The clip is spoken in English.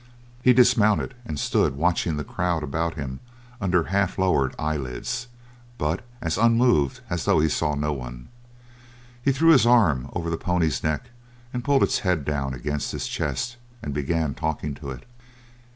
He dismounted, and stood watching the crowd about him under half lowered eyelids, but as unmoved as though he saw no one. He threw his arm over the pony's neck and pulled its head down against his chest and began talking to it.